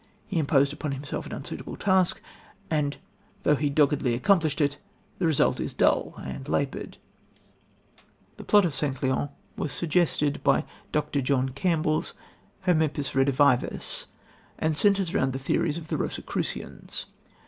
He imposed upon himself an unsuitable task, and, though he doggedly accomplished it, the result is dull and laboured. The plot of St. Leon was suggested by Dr. John Campbell's Hermippus Redivivus, and centres round the theories of the Rosicrucians.